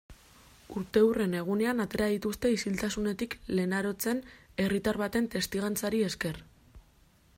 Urteurren egunean atera dituzte isiltasunetik Lenarotzen, herritar baten testigantzari esker.